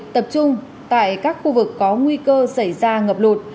tập trung tại các khu vực có nguy cơ xảy ra ngập lụt